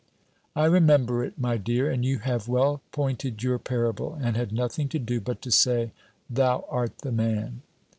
_" "I remember it, my dear and you have well pointed your parable, and had nothing to do, but to say '_Thou art the man!'